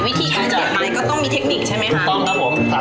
วิธีการเสียงไม้ก็ต้องมีเทคนิคใช่ไหมคะ